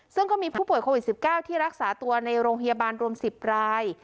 ซึ่งก็มีผู้ป่วยโควิด๑๙ที่รักษาตัวในโรงพยาบาลรวม๑๐ราย